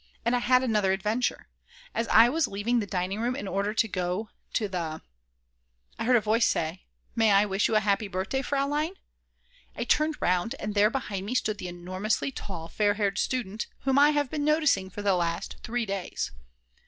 And I had another adventure: As I was leaving the dining room in order to go to the ...., I heard a voice say: May I wish you a happy birthday, Fraulein? I turned round, and there behind me stood the enormously tall fair haired student, whom I have been noticing for the last three days.